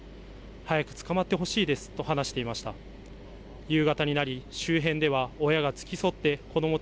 早く捕まってほしいですと話していました。